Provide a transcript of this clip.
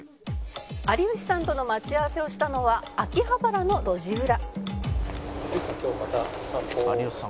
「有吉さんとの待ち合わせをしたのは秋葉原の路地裏」